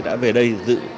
đã về đây